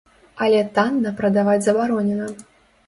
Але танна прадаваць забаронена.